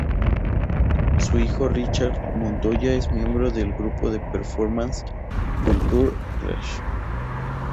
Su hijo Richard Montoya es miembro del grupo de performance Culture Clash.